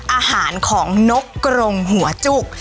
อาหารของนกกรงหัวจุก